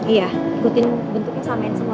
iya ikutin bentuknya samain semua